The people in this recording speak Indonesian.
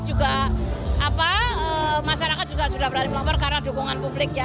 juga masyarakat juga sudah berani melapor karena dukungan publik ya